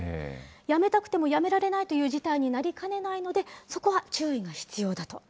やめたくてもやめられないという事態になりかねないので、そこは注意が必要だと。